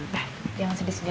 dah jangan sedih sendiri